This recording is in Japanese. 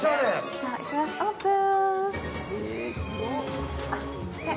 じゃあ行きます、オープン！